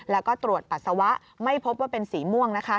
แล้วก็ตรวจปัสสาวะไม่พบว่าเป็นสีม่วงนะคะ